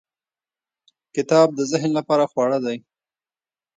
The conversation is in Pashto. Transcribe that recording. • کتاب د ذهن لپاره خواړه دی.